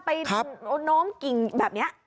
เอาน้อมกิ่งแบบนี้